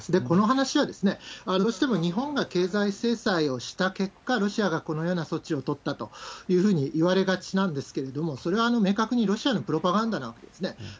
この話は、どうしても日本が経済制裁をした結果、ロシアがこのような措置を取ったというふうにいわれがちなんですけれども、それは明確にロシアのプロパガンダなわけですね。